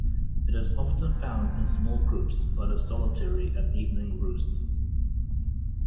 It is often found in small groups, but is solitary at evening roosts.